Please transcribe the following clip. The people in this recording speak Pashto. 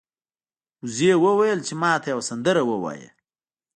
وزې وویل چې ما ته یوه سندره ووایه.